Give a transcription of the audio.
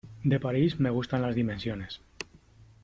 De París, me gustan las dimensiones.